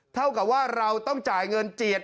เท่ากับว่าเราต้องจ่ายเงินเจียด